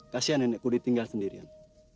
kasian nenekku ditinggal sendirian